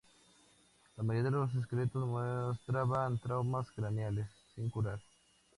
La mayoría de los esqueletos mostraban traumas craneales sin curar.